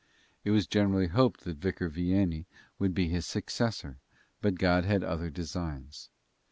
It was generally hoped that Vicar Vianney would be his successor, but God had other designs.